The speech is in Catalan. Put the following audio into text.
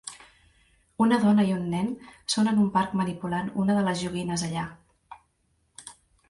Una dona i un nen són en un parc manipulant una de les joguines allà.